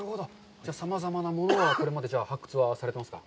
じゃあ、さまざまなものをこれまで発掘されていますか？